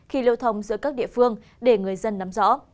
khi lưu thông giữa các địa phương để người dân nắm rõ